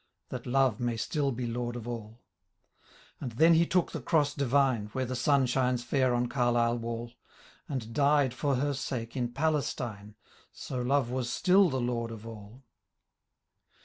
That Love may still be lord of all ! And then he took the cross divine, (Where the sun shmes fiur on Carlisle wall,) And died for her sake in Palestine, So Love was still the lord of all.